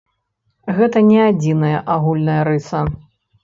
Гэта не адзіная агульная рыса.